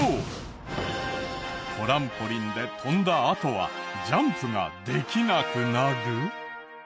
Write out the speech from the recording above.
トランポリンで跳んだあとはジャンプができなくなる！？